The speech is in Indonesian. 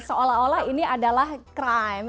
seolah olah ini adalah crime